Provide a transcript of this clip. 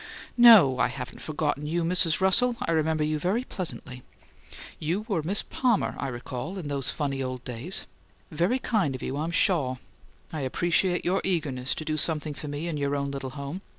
"No, I haven't forgotten you, Mrs. Russell. I remember you quite pleasantly, in fact. You were a Miss Palmer, I recall, in those funny old days. Very kind of you, I'm shaw. I appreciate your eagerness to do something for me in your own little home.